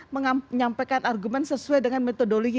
menyampaikan argumen sesuai dengan metodologi